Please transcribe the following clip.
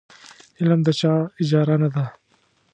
علم د چا اجاره نه ده.